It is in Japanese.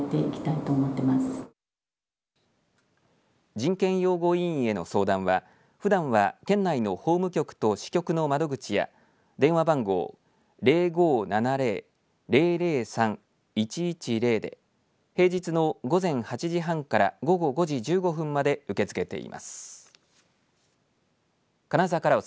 人権擁護委員への相談はふだんは県内の法務局や支局の窓口や電話番号は０５７０−００３−１１０で平日の午前８時半から午後５時１５分まで受け付けています。